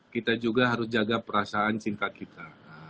kita juga harus jaga perasaan cinta kita